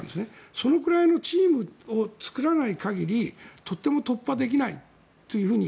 それくらいのチームを作らない限りとっても突破できないと。